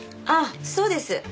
あっそうです。